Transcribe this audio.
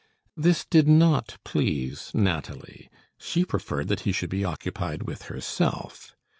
This did not please Nathalie. She preferred that he should be occupied with herself.